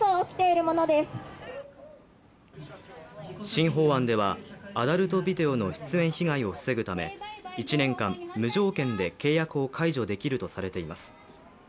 新法案ではアダルトビデオの出演被害を防ぐため１年間、無条件で契約を解除できるとされています。